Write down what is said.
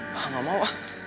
hah gak mau ah